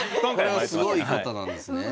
これはすごい方なんですね。